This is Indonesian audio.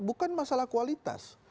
bukan masalah kualitas